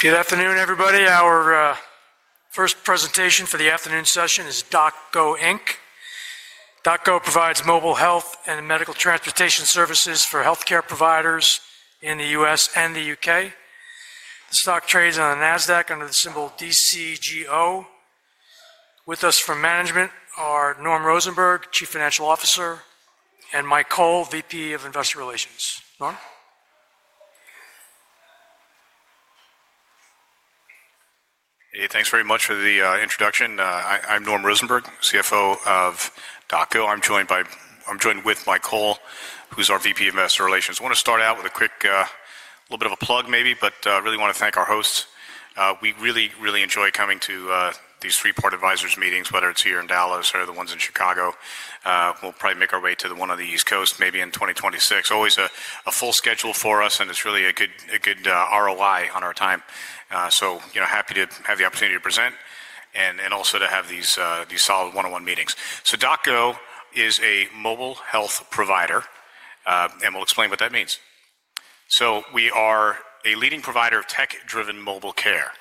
Good afternoon, everybody. Our first presentation for the afternoon session is DocGo. DocGo provides mobile health and medical transportation services for healthcare providers in the U.S. and the U.K. The stock trades on the NASDAQ under the symbol DCGO. With us from management are Norm Rosenberg, Chief Financial Officer, and Mike Cole, VP of Investor Relations. Norm? Hey, thanks very much for the introduction. I'm Norm Rosenberg, CFO of DocGo. I'm joined by, I'm joined with Mike Cole, who's our VP of Investor Relations. I want to start out with a quick, a little bit of a plug maybe, but I really want to thank our hosts. We really, really enjoy coming to these three-part advisors meetings, whether it's here in Dallas or the ones in Chicago. We'll probably make our way to the one on the East Coast maybe in 2026. Always a full schedule for us, and it's really a good ROI on our time. You know, happy to have the opportunity to present and also to have these solid one-on-one meetings. DocGo is a mobile health provider, and we'll explain what that means. We are a leading provider of tech-driven mobile care.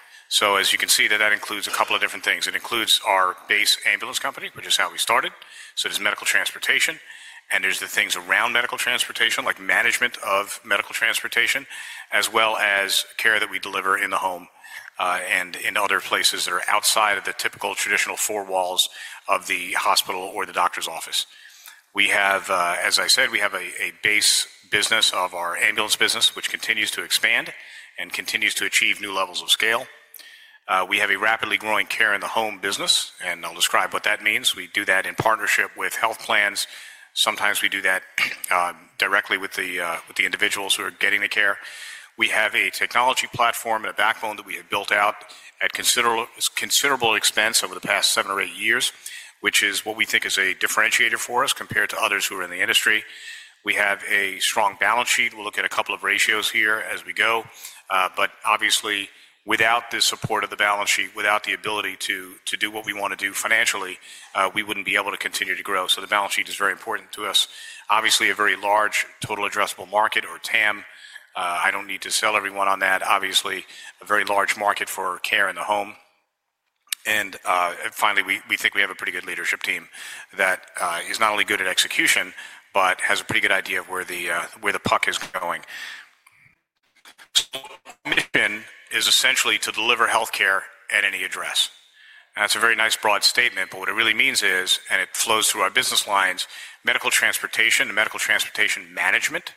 As you can see, that includes a couple of different things. It includes our base ambulance company, which is how we started. There is medical transportation, and there are the things around medical transportation, like management of medical transportation, as well as care that we deliver in the home and in other places that are outside of the typical traditional four walls of the hospital or the doctor's office. We have, as I said, a base business of our ambulance business, which continues to expand and continues to achieve new levels of scale. We have a rapidly growing care in the home business, and I'll describe what that means. We do that in partnership with health plans. Sometimes we do that directly with the individuals who are getting the care. We have a technology platform and a backbone that we have built out at considerable expense over the past seven or eight years, which is what we think is a differentiator for us compared to others who are in the industry. We have a strong balance sheet. We will look at a couple of ratios here as we go. Obviously, without the support of the balance sheet, without the ability to do what we want to do financially, we would not be able to continue to grow. The balance sheet is very important to us. Obviously, a very large total addressable market or TAM. I do not need to sell everyone on that. Obviously, a very large market for care in the home. Finally, we think we have a pretty good leadership team that is not only good at execution, but has a pretty good idea of where the puck is going. Our mission is essentially to deliver healthcare at any address. That is a very nice broad statement, but what it really means is, and it flows through our business lines, medical transportation and medical transportation management.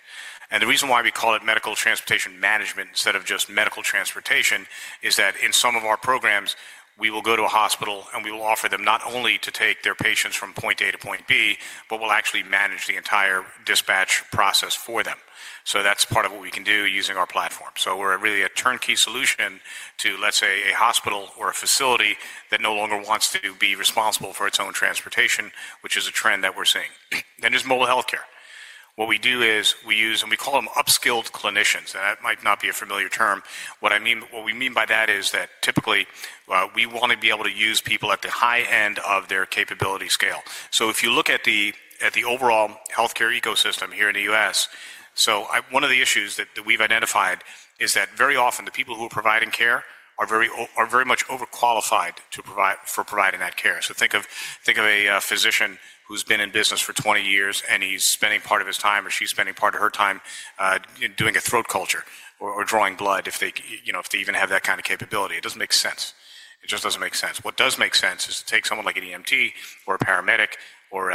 The reason why we call it medical transportation management instead of just medical transportation is that in some of our programs, we will go to a hospital and we will offer them not only to take their patients from point A to point B, but we will actually manage the entire dispatch process for them. That is part of what we can do using our platform. We're really a turnkey solution to, let's say, a hospital or a facility that no longer wants to be responsible for its own transportation, which is a trend that we're seeing. There is mobile healthcare. What we do is we use, and we call them upskilled clinicians, and that might not be a familiar term. What I mean, what we mean by that is that typically we want to be able to use people at the high end of their capability scale. If you look at the overall healthcare ecosystem here in the U.S., one of the issues that we've identified is that very often the people who are providing care are very much overqualified for providing that care. Think of a physician who's been in business for 20 years and he's spending part of his time or she's spending part of her time doing a throat culture or drawing blood if they, you know, if they even have that kind of capability. It doesn't make sense. It just doesn't make sense. What does make sense is to take someone like an EMT or a paramedic or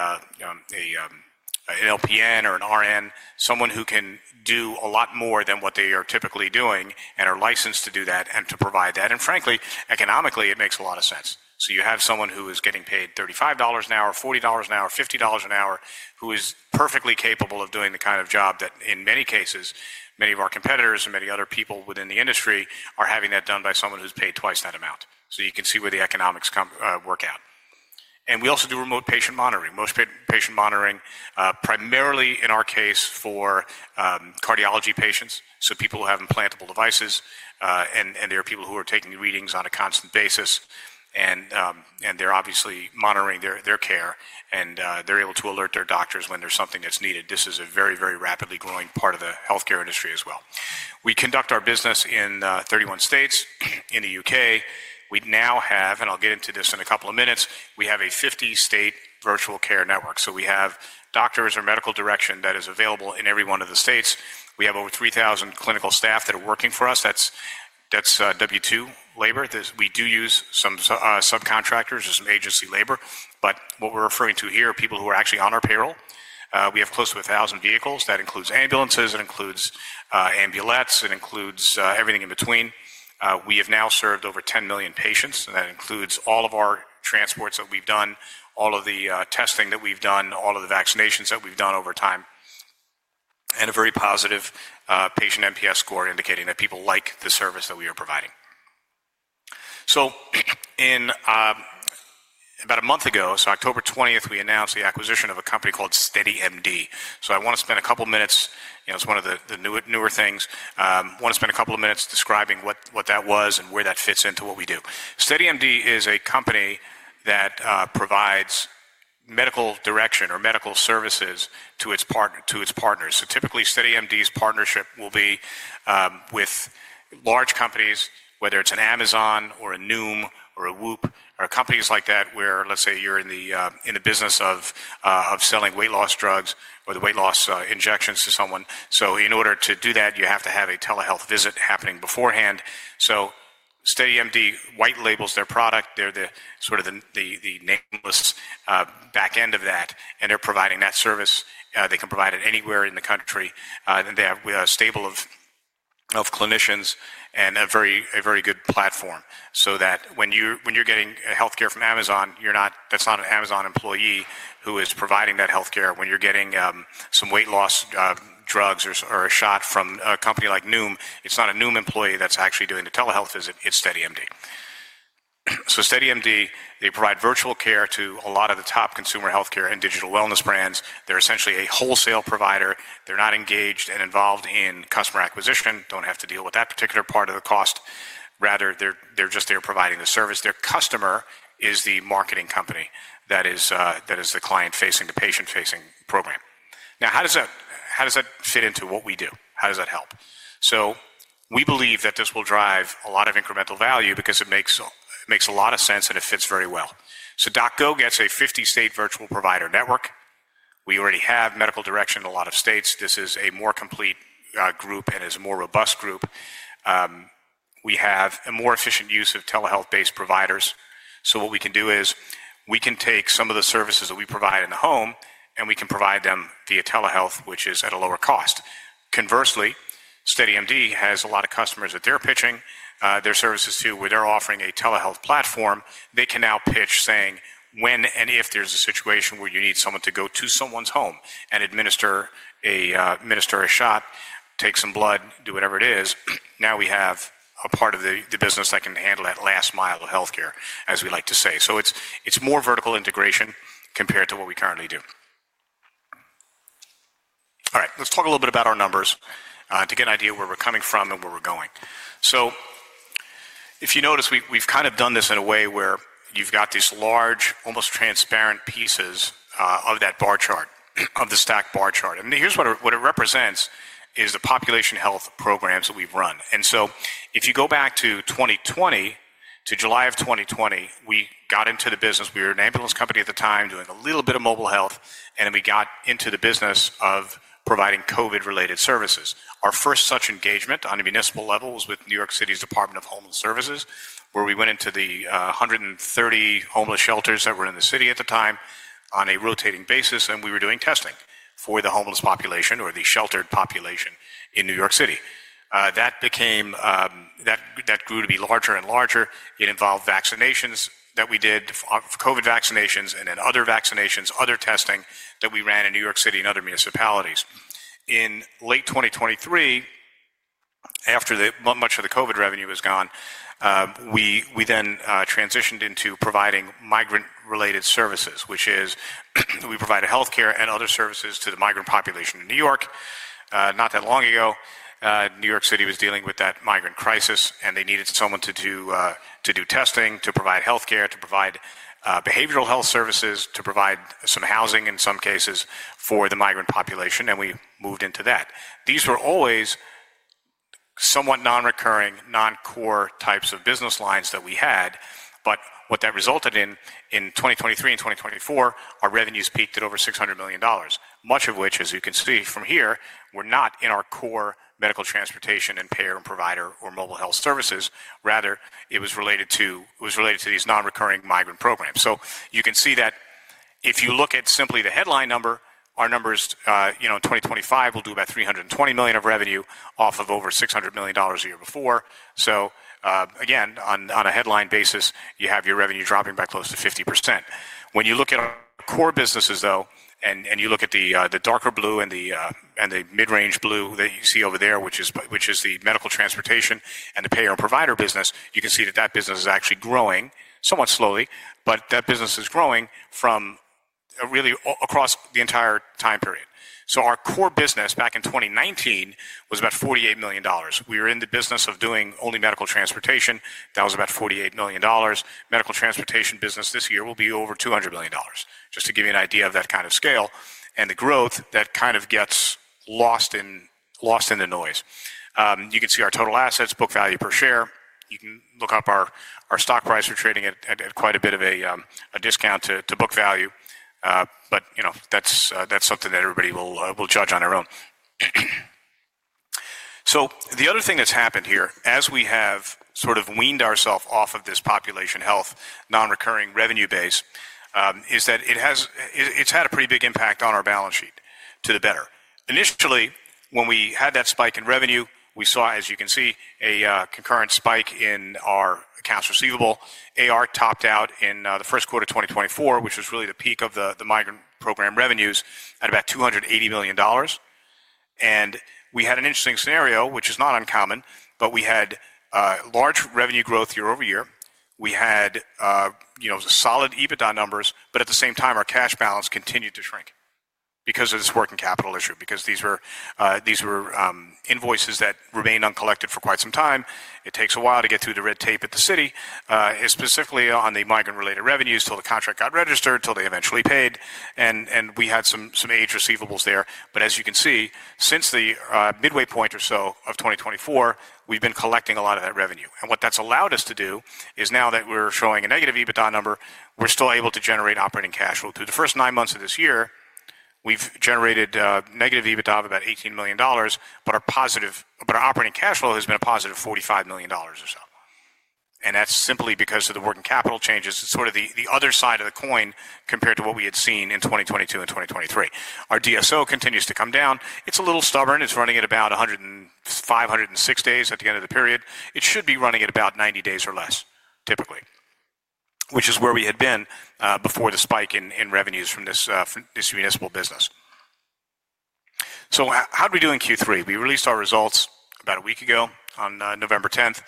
an LPN or an RN, someone who can do a lot more than what they are typically doing and are licensed to do that and to provide that. Frankly, economically, it makes a lot of sense. You have someone who is getting paid $35 an hour, $40 an hour, $50 an hour, who is perfectly capable of doing the kind of job that in many cases, many of our competitors and many other people within the industry are having that done by someone who's paid twice that amount. You can see where the economics work out. We also do remote patient monitoring, most patient monitoring, primarily in our case for cardiology patients. People who have implantable devices and there are people who are taking readings on a constant basis and they're obviously monitoring their care and they're able to alert their doctors when there's something that's needed. This is a very, very rapidly growing part of the healthcare industry as well. We conduct our business in 31 states. In the U.K., we now have, and I'll get into this in a couple of minutes, we have a 50-state virtual care network. We have doctors or medical direction that is available in every one of the states. We have over 3,000 clinical staff that are working for us. That's W-2 labor. We do use some subcontractors and some agency labor, but what we're referring to here are people who are actually on our payroll. We have close to 1,000 vehicles. That includes ambulances, it includes ambulettes, it includes everything in between. We have now served over 10 million patients, and that includes all of our transports that we've done, all of the testing that we've done, all of the vaccinations that we've done over time, and a very positive patient MPS score indicating that people like the service that we are providing. About a month ago, October 20th, we announced the acquisition of a company called SteadyMD. I want to spend a couple of minutes, you know, it's one of the newer things. I want to spend a couple of minutes describing what that was and where that fits into what we do. SteadyMD is a company that provides medical direction or medical services to its partners. Typically, SteadyMD's partnership will be with large companies, whether it's an Amazon or a Noom or a Whoop or companies like that where, let's say, you're in the business of selling weight loss drugs or the weight loss injections to someone. In order to do that, you have to have a telehealth visit happening beforehand. SteadyMD white labels their product. They're sort of the nameless back end of that, and they're providing that service. They can provide it anywhere in the country. They have a stable of clinicians and a very good platform so that when you're getting healthcare from Amazon, that's not an Amazon employee who is providing that healthcare. When you're getting some weight loss drugs or a shot from a company like Noom, it's not a Noom employee that's actually doing the telehealth visit. It's SteadyMD. SteadyMD, they provide virtual care to a lot of the top consumer healthcare and digital wellness brands. They're essentially a wholesale provider. They're not engaged and involved in customer acquisition, don't have to deal with that particular part of the cost. Rather, they're just there providing the service. Their customer is the marketing company that is the client-facing, the patient-facing program. Now, how does that fit into what we do? How does that help? We believe that this will drive a lot of incremental value because it makes a lot of sense and it fits very well. DocGo gets a 50-state virtual provider network. We already have medical direction in a lot of states. This is a more complete group and is a more robust group. We have a more efficient use of telehealth-based providers. What we can do is we can take some of the services that we provide in the home and we can provide them via telehealth, which is at a lower cost. Conversely, SteadyMD has a lot of customers that they're pitching their services to where they're offering a telehealth platform. They can now pitch saying when and if there's a situation where you need someone to go to someone's home and administer a shot, take some blood, do whatever it is. Now we have a part of the business that can handle that last mile of healthcare, as we like to say. It is more vertical integration compared to what we currently do. All right, let's talk a little bit about our numbers to get an idea of where we're coming from and where we're going. If you notice, we've kind of done this in a way where you've got these large, almost transparent pieces of that bar chart, of the stack bar chart. What it represents is the population health programs that we've run. If you go back to 2020, to July of 2020, we got into the business. We were an ambulance company at the time doing a little bit of mobile health, and then we got into the business of providing COVID-related services. Our first such engagement on a municipal level was with New York City's Department of Homeless Services, where we went into the 130 homeless shelters that were in the city at the time on a rotating basis, and we were doing testing for the homeless population or the sheltered population in New York City. That grew to be larger and larger. It involved vaccinations that we did, COVID vaccinations and then other vaccinations, other testing that we ran in New York City and other municipalities. In late 2023, after much of the COVID revenue was gone, we then transitioned into providing migrant-related services, which is we provided healthcare and other services to the migrant population in New York. Not that long ago, New York City was dealing with that migrant crisis, and they needed someone to do testing, to provide healthcare, to provide behavioral health services, to provide some housing in some cases for the migrant population, and we moved into that. These were always somewhat non-recurring, non-core types of business lines that we had, but what that resulted in, in 2023 and 2024, our revenues peaked at over $600 million, much of which, as you can see from here, were not in our core medical transportation and payer and provider or mobile health services. Rather, it was related to these non-recurring migrant programs. You can see that if you look at simply the headline number, our numbers, you know, in 2025, we'll do about $320 million of revenue off of over $600 million a year before. Again, on a headline basis, you have your revenue dropping by close to 50%. When you look at our core businesses, though, and you look at the darker blue and the mid-range blue that you see over there, which is the medical transportation and the payer and provider business, you can see that that business is actually growing somewhat slowly, but that business is growing from really across the entire time period. Our core business back in 2019 was about $48 million. We were in the business of doing only medical transportation. That was about $48 million. Medical transportation business this year will be over $200 million, just to give you an idea of that kind of scale and the growth that kind of gets lost in the noise. You can see our total assets, book value per share. You can look up our stock price for trading at quite a bit of a discount to book value, but you know, that's something that everybody will judge on their own. The other thing that's happened here, as we have sort of weaned ourselves off of this population health non-recurring revenue base, is that it's had a pretty big impact on our balance sheet to the better. Initially, when we had that spike in revenue, we saw, as you can see, a concurrent spike in our accounts receivable. AR topped out in the first quarter of 2024, which was really the peak of the migrant program revenues at about $280 million. We had an interesting scenario, which is not uncommon, but we had large revenue growth year-over-year. We had, you know, solid EBITDA numbers, but at the same time, our cash balance continued to shrink because of this working capital issue, because these were invoices that remained uncollected for quite some time. It takes a while to get through the red tape at the city, specifically on the migrant-related revenues till the contract got registered, till they eventually paid, and we had some aged receivables there. As you can see, since the midway point or so of 2024, we've been collecting a lot of that revenue. What that's allowed us to do is now that we're showing a negative EBITDA number, we're still able to generate operating cash flow. Through the first nine months of this year, we've generated negative EBITDA of about $18 million, but our operating cash flow has been a positive $45 million or so. That's simply because of the working capital changes. It's sort of the other side of the coin compared to what we had seen in 2022 and 2023. Our DSO continues to come down. It's a little stubborn. It's running at about 506 days at the end of the period. It should be running at about 90 days or less, typically, which is where we had been before the spike in revenues from this municipal business. How did we do in Q3? We released our results about a week ago on November 10th.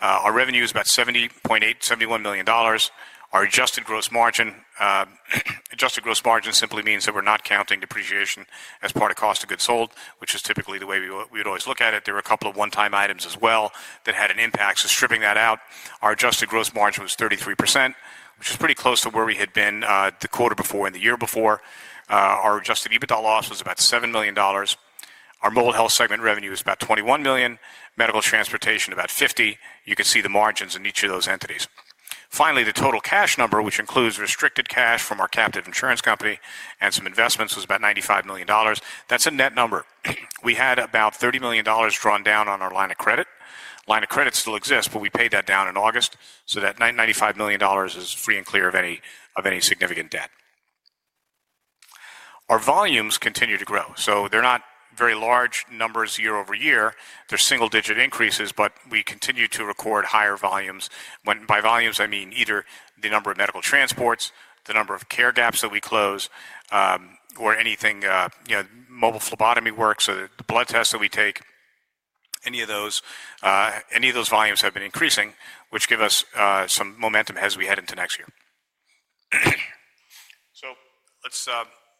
Our revenue is about $70.8, $71 million. Our adjusted gross margin, adjusted gross margin simply means that we're not counting depreciation as part of cost of goods sold, which is typically the way we would always look at it. There were a couple of one-time items as well that had an impact, so stripping that out, our adjusted gross margin was 33%, which is pretty close to where we had been the quarter before and the year before. Our adjusted EBITDA loss was about $7 million. Our mobile health segment revenue is about $21 million, medical transportation about $50 million. You can see the margins in each of those entities. Finally, the total cash number, which includes restricted cash from our captive insurance company and some investments, was about $95 million. That's a net number. We had about $30 million drawn down on our line of credit. Line of credit still exists, but we paid that down in August. So that $95 million is free and clear of any significant debt. Our volumes continue to grow. They're not very large numbers year-over-year. They're single-digit increases, but we continue to record higher volumes. By volumes, I mean either the number of medical transports, the number of care gaps that we close, or anything, you know, mobile phlebotomy work, so the blood tests that we take, any of those, any of those volumes have been increasing, which give us some momentum as we head into next year.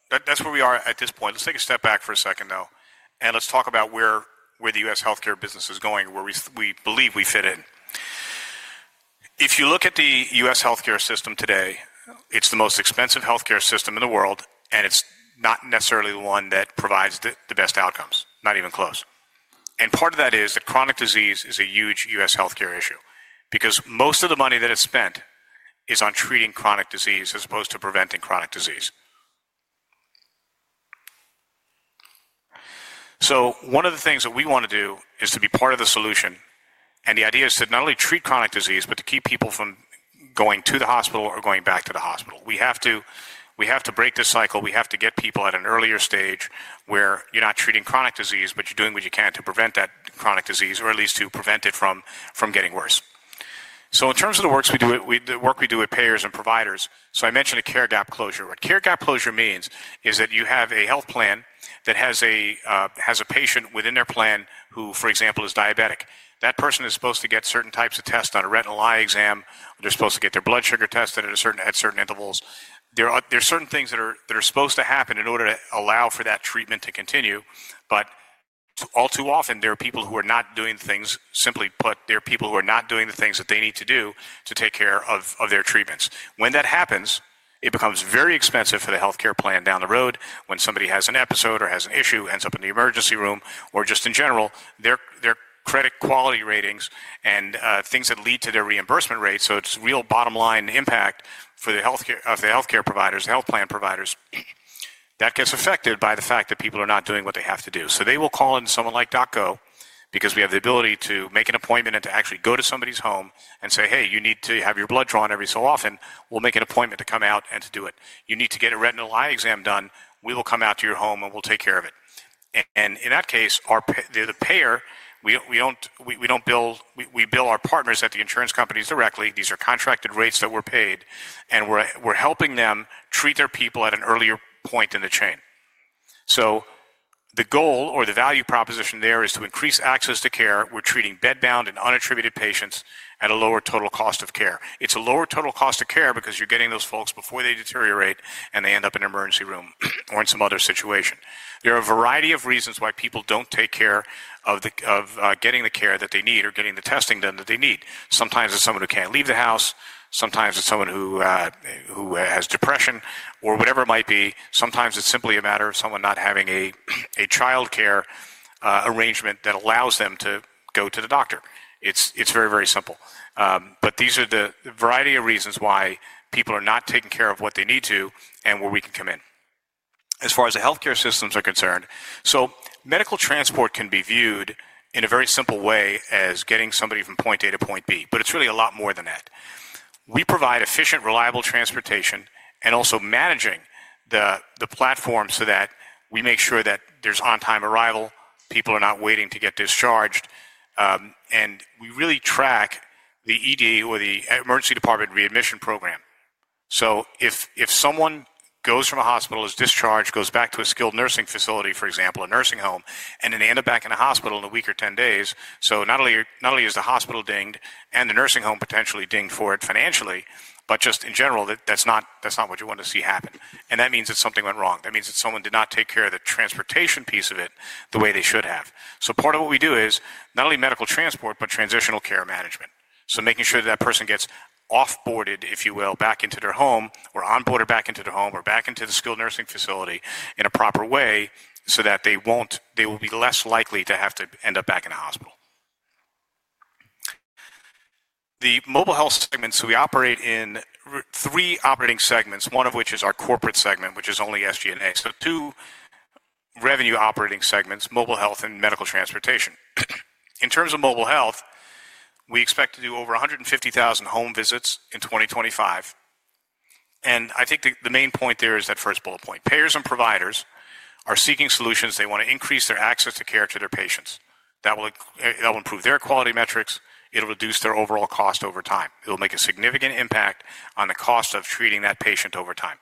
That is where we are at this point. Let's take a step back for a second, though, and let's talk about where the U.S. healthcare business is going, where we believe we fit in. If you look at the U.S. healthcare system today, it's the most expensive healthcare system in the world, and it's not necessarily the one that provides the best outcomes, not even close. Part of that is that chronic disease is a huge U.S. Healthcare issue because most of the money that is spent is on treating chronic disease as opposed to preventing chronic disease. One of the things that we want to do is to be part of the solution. The idea is to not only treat chronic disease, but to keep people from going to the hospital or going back to the hospital. We have to break this cycle. We have to get people at an earlier stage where you're not treating chronic disease, but you're doing what you can to prevent that chronic disease or at least to prevent it from getting worse. In terms of the work we do at payers and providers, I mentioned a care gap closure. What care gap closure means is that you have a health plan that has a patient within their plan who, for example, is diabetic. That person is supposed to get certain types of tests on a retinal eye exam. They're supposed to get their blood sugar tested at certain intervals. There are certain things that are supposed to happen in order to allow for that treatment to continue, but all too often, there are people who are not doing things, simply put, there are people who are not doing the things that they need to do to take care of their treatments. When that happens, it becomes very expensive for the healthcare plan down the road. When somebody has an episode or has an issue, ends up in the emergency room, or just in general, their credit quality ratings and things that lead to their reimbursement rates, it's real bottom line impact for the healthcare providers, the health plan providers, that gets affected by the fact that people are not doing what they have to do. They will call in someone like DocGo because we have the ability to make an appointment and to actually go to somebody's home and say, "Hey, you need to have your blood drawn every so often. We'll make an appointment to come out and to do it. You need to get a retinal eye exam done. We will come out to your home and we'll take care of it." In that case, the payer, we don't bill our partners at the insurance companies directly. These are contracted rates that we're paid, and we're helping them treat their people at an earlier point in the chain. The goal or the value proposition there is to increase access to care. We're treating bedbound and unattributed patients at a lower total cost of care. It's a lower total cost of care because you're getting those folks before they deteriorate and they end up in an emergency room or in some other situation. There are a variety of reasons why people do not take care of getting the care that they need or getting the testing done that they need. Sometimes it's someone who cannot leave the house. Sometimes it's someone who has depression or whatever it might be. Sometimes it's simply a matter of someone not having a childcare arrangement that allows them to go to the doctor. It's very, very simple. These are the variety of reasons why people are not taking care of what they need to and where we can come in. As far as the healthcare systems are concerned, medical transport can be viewed in a very simple way as getting somebody from point A to point B, but it is really a lot more than that. We provide efficient, reliable transportation and also manage the platform so that we make sure that there is on-time arrival, people are not waiting to get discharged, and we really track the ED or the emergency department readmission program. If someone goes from a hospital, is discharged, goes back to a skilled nursing facility, for example, a nursing home, and then they end up back in a hospital in a week or 10 days, not only is the hospital dinged and the nursing home potentially dinged for it financially, but just in general, that's not what you want to see happen. That means that something went wrong. That means that someone did not take care of the transportation piece of it the way they should have. Part of what we do is not only medical transport, but transitional care management. Making sure that that person gets offboarded, if you will, back into their home or onboarded back into their home or back into the skilled nursing facility in a proper way so that they will be less likely to have to end up back in a hospital. The mobile health segment, we operate in three operating segments, one of which is our corporate segment, which is only SG&A. Two revenue operating segments, mobile health and medical transportation. In terms of mobile health, we expect to do over 150,000 home visits in 2025. I think the main point there is that first bullet point. Payers and providers are seeking solutions. They want to increase their access to care to their patients. That will improve their quality metrics. It'll reduce their overall cost over time. It'll make a significant impact on the cost of treating that patient over time.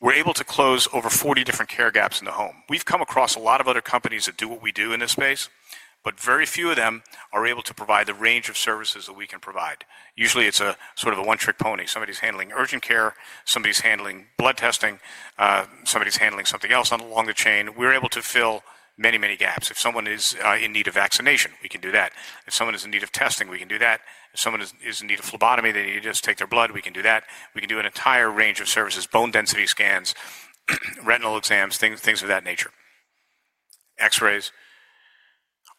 We're able to close over 40 different care gaps in the home. We've come across a lot of other companies that do what we do in this space, but very few of them are able to provide the range of services that we can provide. Usually, it's a sort of a one-trick pony. Somebody's handling urgent care. Somebody's handling blood testing. Somebody's handling something else along the chain. We're able to fill many, many gaps. If someone is in need of vaccination, we can do that. If someone is in need of testing, we can do that. If someone is in need of phlebotomy, they need to just take their blood, we can do that. We can do an entire range of services, bone density scans, retinal exams, things of that nature, X-rays.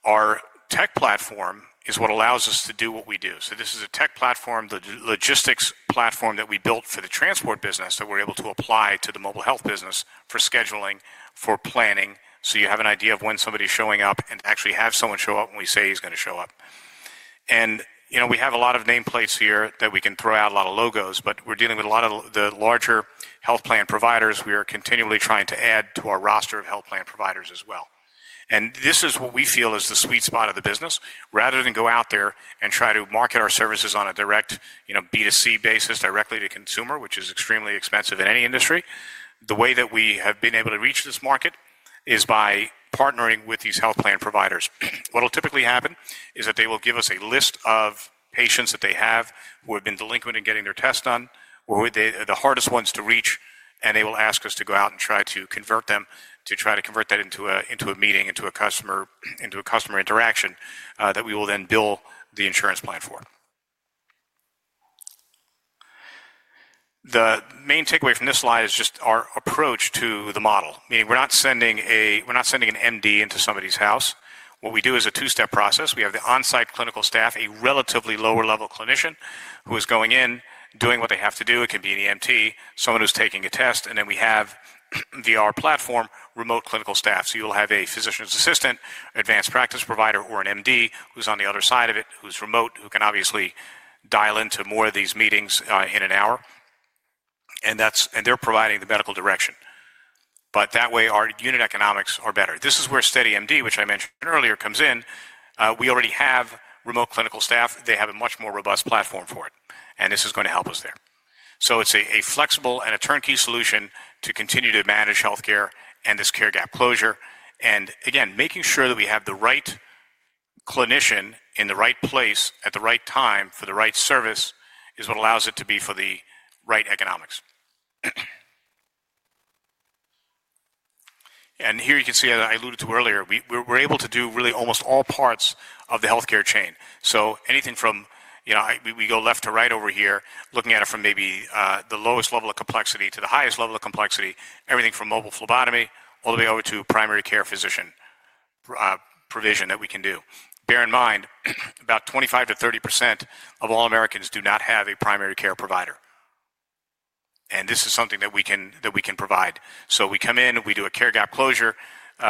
Our tech platform is what allows us to do what we do. This is a tech platform, the logistics platform that we built for the transport business that we're able to apply to the mobile health business for scheduling, for planning, so you have an idea of when somebody's showing up and actually have someone show up when we say he's going to show up. You know, we have a lot of nameplates here that we can throw out, a lot of logos, but we're dealing with a lot of the larger health plan providers. We are continually trying to add to our roster of health plan providers as well. This is what we feel is the sweet spot of the business. Rather than go out there and try to market our services on a direct, you know, B2C basis directly to consumer, which is extremely expensive in any industry, the way that we have been able to reach this market is by partnering with these health plan providers. What will typically happen is that they will give us a list of patients that they have who have been delinquent in getting their tests done, who are the hardest ones to reach, and they will ask us to go out and try to convert them, to try to convert that into a meeting, into a customer interaction that we will then bill the insurance plan for. The main takeaway from this slide is just our approach to the model, meaning we're not sending an MD into somebody's house. What we do is a two-step process. We have the on-site clinical staff, a relatively lower-level clinician who is going in, doing what they have to do. It can be an EMT, someone who's taking a test, and then we have via our platform, remote clinical staff. You'll have a physician's assistant, advanced practice provider, or an MD who's on the other side of it, who's remote, who can obviously dial into more of these meetings in an hour. They're providing the medical direction. That way, our unit economics are better. This is where SteadyMD, which I mentioned earlier, comes in. We already have remote clinical staff. They have a much more robust platform for it. This is going to help us there. It's a flexible and a turnkey solution to continue to manage healthcare and this care gap closure. Again, making sure that we have the right clinician in the right place at the right time for the right service is what allows it to be for the right economics. Here you can see, as I alluded to earlier, we're able to do really almost all parts of the healthcare chain. Anything from, you know, we go left to right over here, looking at it from maybe the lowest level of complexity to the highest level of complexity, everything from mobile phlebotomy all the way over to primary care physician provision that we can do. Bear in mind, about 25%-30% of all Americans do not have a primary care provider. This is something that we can provide. We come in, we do a care gap closure,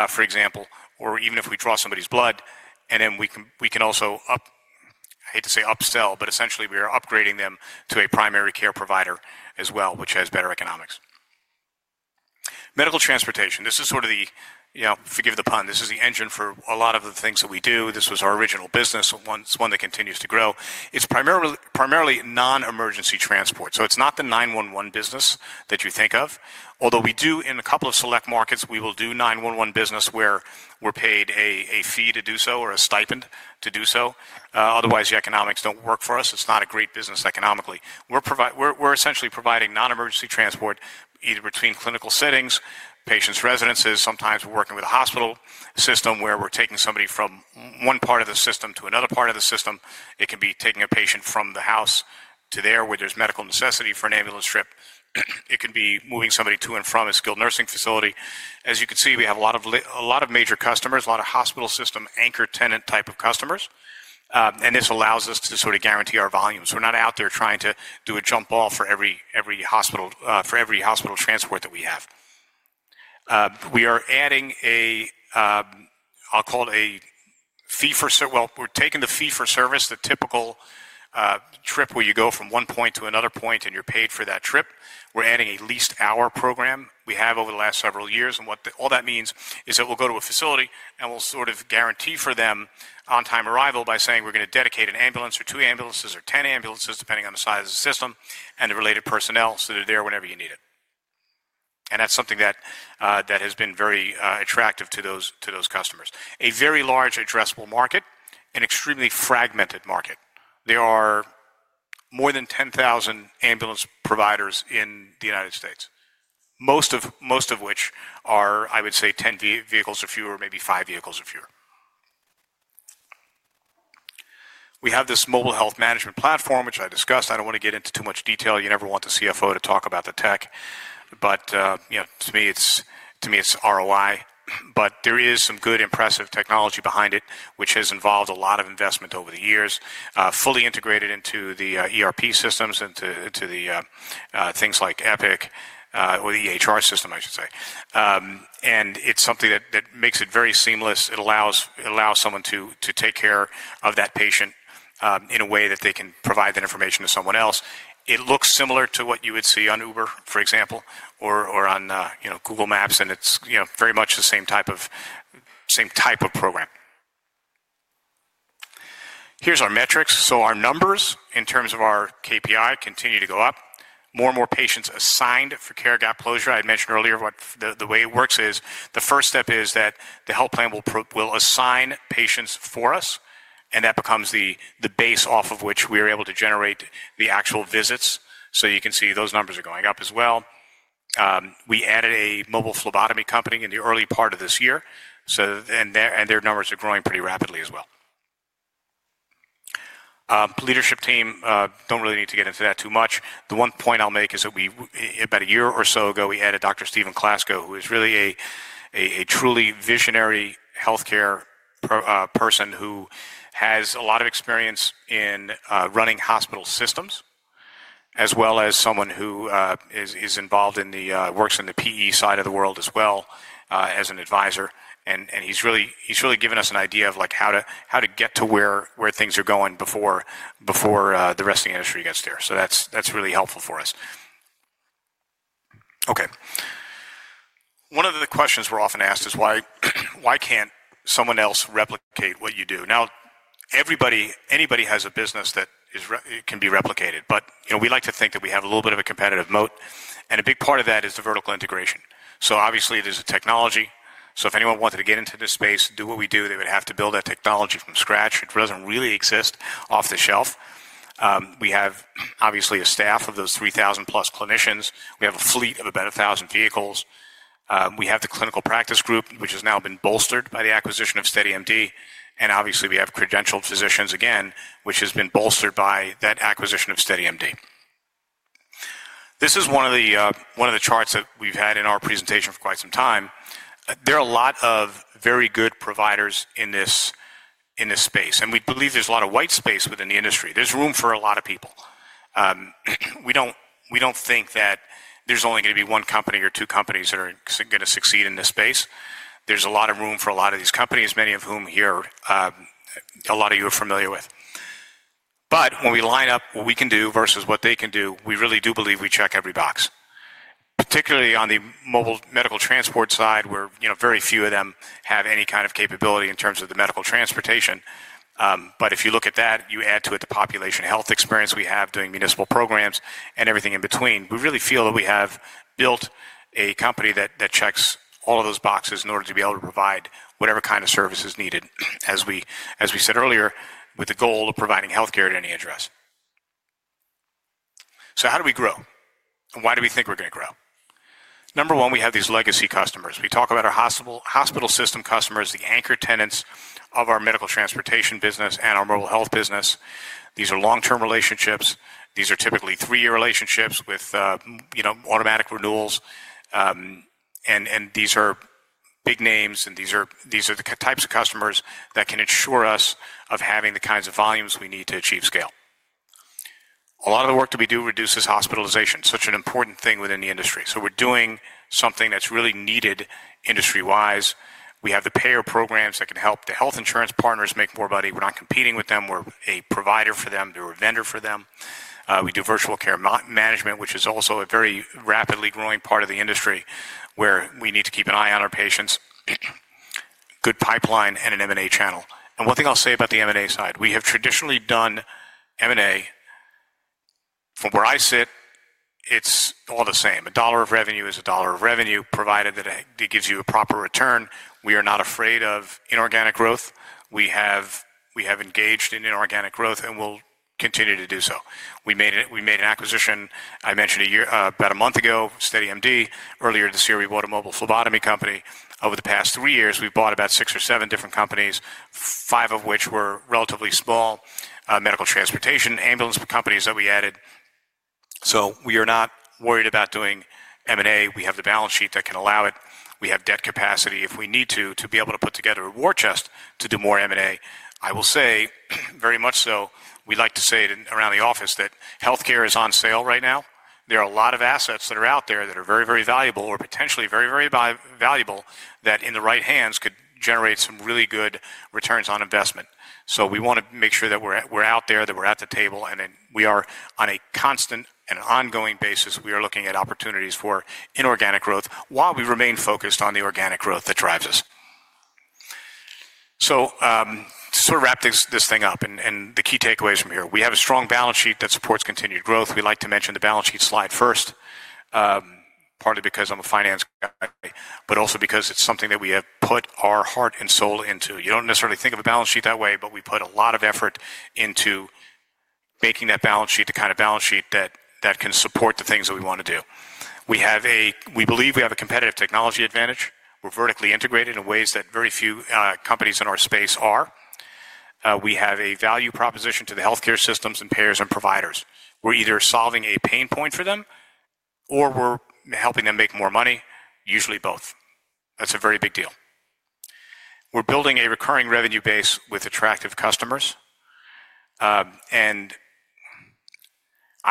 for example, or even if we draw somebody's blood, and then we can also, I hate to say upsell, but essentially we are upgrading them to a primary care provider as well, which has better economics. Medical transportation, this is sort of the, you know, forgive the pun, this is the engine for a lot of the things that we do. This was our original business. It's one that continues to grow. It's primarily non-emergency transport. It's not the 911 business that you think of. Although we do, in a couple of select markets, we will do 911 business where we're paid a fee to do so or a stipend to do so. Otherwise, the economics don't work for us. It's not a great business economically. We're essentially providing non-emergency transport either between clinical settings, patients' residences. Sometimes we're working with a hospital system where we're taking somebody from one part of the system to another part of the system. It can be taking a patient from the house to there where there's medical necessity for an ambulance trip. It can be moving somebody to and from a skilled nursing facility. As you can see, we have a lot of major customers, a lot of hospital system anchor tenant type of customers. This allows us to sort of guarantee our volumes. We're not out there trying to do a jump ball for every hospital transport that we have. We are adding a, I'll call it a fee for, well, we're taking the fee for service, the typical trip where you go from one point to another point and you're paid for that trip. We're adding a leased hour program we have over the last several years. What all that means is that we'll go to a facility and we'll sort of guarantee for them on-time arrival by saying we're going to dedicate an ambulance or two ambulances or 10 ambulances, depending on the size of the system and the related personnel so they're there whenever you need it. That's something that has been very attractive to those customers. A very large addressable market, an extremely fragmented market. There are more than 10,000 ambulance providers in the U.S., most of which are, I would say, 10 vehicles or fewer, maybe five vehicles or fewer. We have this mobile health management platform, which I discussed. I don't want to get into too much detail. You never want the CFO to talk about the tech. But you know, to me, it's ROI. There is some good impressive technology behind it, which has involved a lot of investment over the years, fully integrated into the ERP systems and to things like Epic or the EHR system, I should say. It is something that makes it very seamless. It allows someone to take care of that patient in a way that they can provide that information to someone else. It looks similar to what you would see on Uber, for example, or on Google Maps. It is very much the same type of program. Here is our metrics. Our numbers in terms of our KPI continue to go up. More and more patients assigned for care gap closure. I had mentioned earlier what the way it works is. The first step is that the health plan will assign patients for us, and that becomes the base off of which we are able to generate the actual visits. You can see those numbers are going up as well. We added a mobile phlebotomy company in the early part of this year, and their numbers are growing pretty rapidly as well. Leadership team, do not really need to get into that too much. The one point I'll make is that about a year or so ago, we added Dr. Steven Glasgow, who is really a truly visionary healthcare person who has a lot of experience in running hospital systems, as well as someone who is involved in the works in the PE side of the world as well as an advisor. He has really given us an idea of how to get to where things are going before the rest of the industry gets there. That is really helpful for us. One of the questions we are often asked is, why cannot someone else replicate what you do? Anybody has a business that can be replicated. We like to think that we have a little bit of a competitive moat. A big part of that is the vertical integration. Obviously, there is a technology. If anyone wanted to get into this space, do what we do, they would have to build that technology from scratch. It does not really exist off the shelf. We have a staff of those 3,000 plus clinicians. We have a fleet of about 1,000 vehicles. We have the clinical practice group, which has now been bolstered by the acquisition of SteadyMD. Obviously, we have credentialed physicians, again, which has been bolstered by that acquisition of SteadyMD. This is one of the charts that we've had in our presentation for quite some time. There are a lot of very good providers in this space. We believe there's a lot of white space within the industry. There's room for a lot of people. We don't think that there's only going to be one company or two companies that are going to succeed in this space. There's a lot of room for a lot of these companies, many of whom here a lot of you are familiar with. When we line up what we can do versus what they can do, we really do believe we check every box, particularly on the mobile medical transport side, where very few of them have any kind of capability in terms of the medical transportation. If you look at that, you add to it the population health experience we have doing municipal programs and everything in between. We really feel that we have built a company that checks all of those boxes in order to be able to provide whatever kind of service is needed, as we said earlier, with the goal of providing healthcare at any address. How do we grow? Why do we think we're going to grow? Number one, we have these legacy customers. We talk about our hospital system customers, the anchor tenants of our medical transportation business and our mobile health business. These are long-term relationships. These are typically three-year relationships with automatic renewals. These are big names, and these are the types of customers that can ensure us of having the kinds of volumes we need to achieve scale. A lot of the work that we do reduces hospitalization, such an important thing within the industry. We are doing something that is really needed industry-wise. We have the payer programs that can help the health insurance partners make more money. We are not competing with them. We are a provider for them. We are a vendor for them. We do virtual care management, which is also a very rapidly growing part of the industry where we need to keep an eye on our patients, good pipeline, and an M&A channel. One thing I will say about the M&A side, we have traditionally done M&A. From where I sit, it is all the same. A dollar of revenue is a dollar of revenue, provided that it gives you a proper return. We are not afraid of inorganic growth. We have engaged in inorganic growth, and we will continue to do so. We made an acquisition, I mentioned, about a month ago, SteadyMD. Earlier this year, we bought a mobile phlebotomy company. Over the past three years, we have bought about six or seven different companies, five of which were relatively small medical transportation ambulance companies that we added. We are not worried about doing M&A. We have the balance sheet that can allow it. We have debt capacity if we need to, to be able to put together a war chest to do more M&A. I will say, very much so, we like to say it around the office that healthcare is on sale right now. There are a lot of assets that are out there that are very, very valuable or potentially very, very valuable that in the right hands could generate some really good returns on investment. We want to make sure that we're out there, that we're at the table, and that we are on a constant and ongoing basis. We are looking at opportunities for inorganic growth while we remain focused on the organic growth that drives us. To sort of wrap this thing up and the key takeaways from here, we have a strong balance sheet that supports continued growth. We like to mention the balance sheet slide first, partly because I'm a finance guy, but also because it's something that we have put our heart and soul into. You do not necessarily think of a balance sheet that way, but we put a lot of effort into making that balance sheet the kind of balance sheet that can support the things that we want to do. We believe we have a competitive technology advantage. We are vertically integrated in ways that very few companies in our space are. We have a value proposition to the healthcare systems and payers and providers. We are either solving a pain point for them or we are helping them make more money, usually both. That is a very big deal. We are building a recurring revenue base with attractive customers. I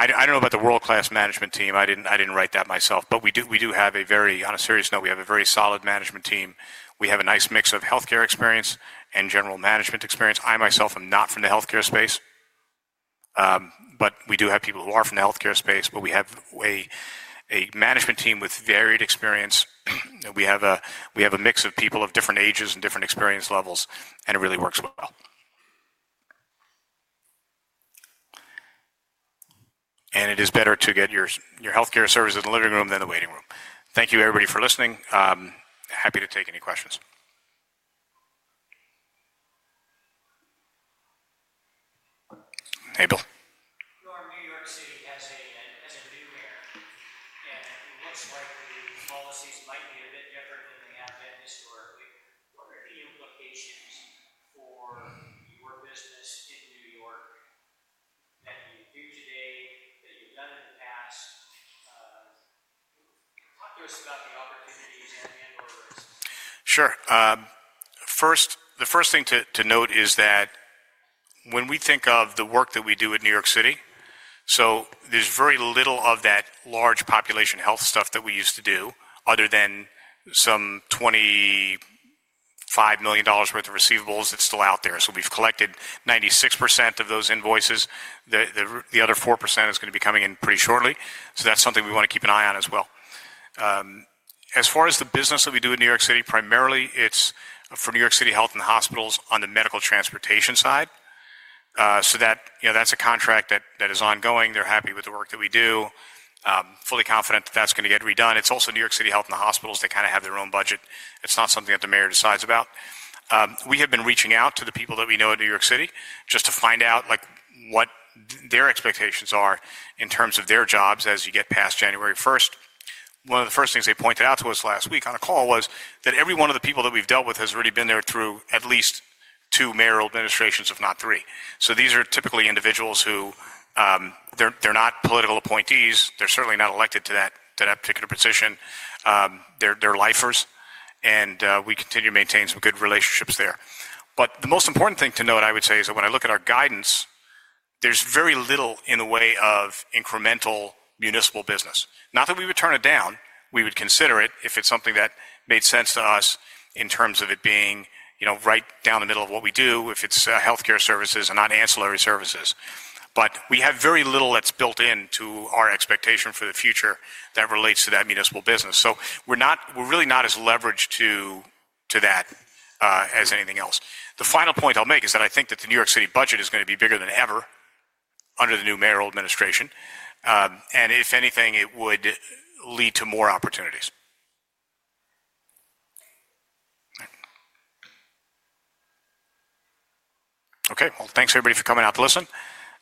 do not know about the world-class management team. I did not write that myself. We do have a very, on a serious note, we have a very solid management team. We have a nice mix of healthcare experience and general management experience. I myself am not from the healthcare space, but we do have people who are from the healthcare space. We have a management team with varied experience. We have a mix of people of different ages and different experience levels, and it really works well. It is better to get your healthcare services in the living room than the waiting room. Thank you, everybody, for listening. Happy to take any questions. Hey, Bill. Your New York City has a new mayor, and it looks like the policies might be a bit different than they have been historically. What are the implications for your business in New York that you do today, that you've done in the past? Talk to us about the opportunities and/or risks. Sure. The first thing to note is that when we think of the work that we do at New York City, there is very little of that large population health stuff that we used to do other than some $25 million worth of receivables that is still out there. We have collected 96% of those invoices. The other 4% is going to be coming in pretty shortly. That is something we want to keep an eye on as well. As far as the business that we do at New York City, primarily it is for New York City Health and the Hospitals on the medical transportation side. That is a contract that is ongoing. They are happy with the work that we do, fully confident that that is going to get redone. It is also New York City Health and the Hospitals that kind of have their own budget. It's not something that the mayor decides about. We have been reaching out to the people that we know at New York City just to find out what their expectations are in terms of their jobs as you get past January 1. One of the first things they pointed out to us last week on a call was that every one of the people that we've dealt with has already been there through at least two mayoral administrations, if not three. These are typically individuals who are not political appointees. They are certainly not elected to that particular position. They are lifers. We continue to maintain some good relationships there. The most important thing to note, I would say, is that when I look at our guidance, there is very little in the way of incremental municipal business. Not that we would turn it down. We would consider it if it's something that made sense to us in terms of it being right down the middle of what we do, if it's healthcare services and not ancillary services. We have very little that's built into our expectation for the future that relates to that municipal business. We are really not as leveraged to that as anything else. The final point I'll make is that I think that the New York City budget is going to be bigger than ever under the new mayoral administration. If anything, it would lead to more opportunities. Okay. Thanks, everybody, for coming out to listen.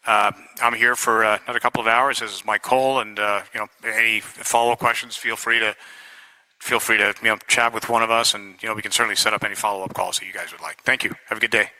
I'm here for another couple of hours as my call. Any follow-up questions, feel free to chat with one of us. We can certainly set up any follow-up calls that you guys would like. Thank you. Have a good day.